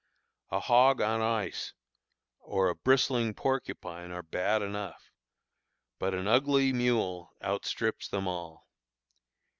A hog on ice or a bristling porcupine are bad enough, but an ugly mule outstrips them all.